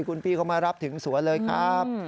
คุณพี่เขามารับถึงสวนเลยครับ